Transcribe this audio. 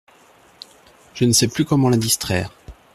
Je ne sais plus comment la distraire…